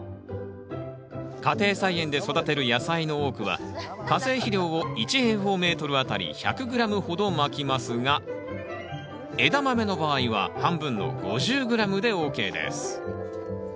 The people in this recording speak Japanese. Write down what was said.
家庭菜園で育てる野菜の多くは化成肥料を１あたり１００ｇほどまきますがエダマメの場合は半分の５０ｇでＯＫです。